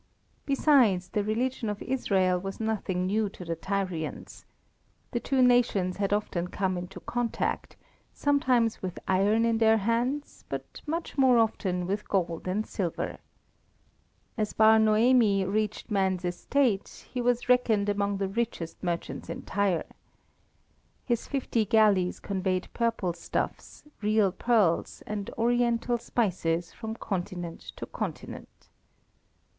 Besides, the religion of Israel was nothing new to the Tyrians. The two nations had often come into contact, sometimes with iron in their hands, but much more often with gold and silver. As Bar Noemi reached man's estate, he was reckoned among the richest merchants in Tyre. His fifty galleys conveyed purple stuffs, real pearls, and oriental spices from continent to continent.